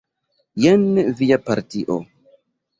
Jen via partio.